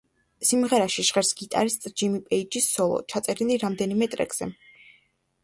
სიმღერაში ჟღერს გიტარისტ ჯიმი პეიჯის სოლო, ჩაწერილი რამდენიმე ტრეკზე.